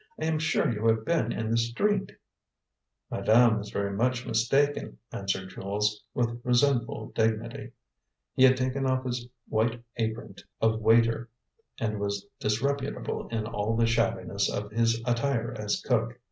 I am sure you have been in the street." "Madame is very much mistaken," answered Jules, with resentful dignity. He had taken off his white apron of waiter, and was disreputable in all the shabbiness of his attire as cook.